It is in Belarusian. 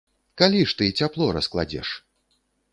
Калі ж ты цяпло раскладзеш?